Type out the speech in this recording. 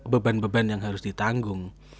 beban beban yang harus ditanggung